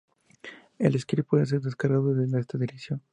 El script puede ser descargado desde esta dirección.